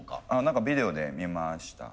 何かビデオで見ました。